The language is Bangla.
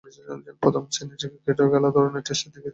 প্রথম-শ্রেণীর ক্রিকেটের খেলার ধরনকে টেস্টের দিকে নিয়ে যেতে পারেননি।